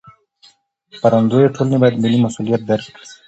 خپرندویه ټولنې باید ملي مسوولیت درک کړي.